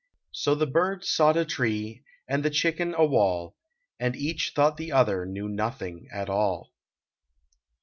So the bird sought a tree and the chicken a wall. And each thought the other knew nothing at all.